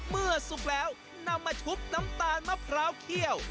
สุกแล้วนำมาชุบน้ำตาลมะพร้าวเขี้ยว